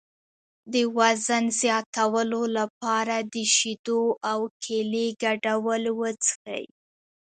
د وزن زیاتولو لپاره د شیدو او کیلې ګډول وڅښئ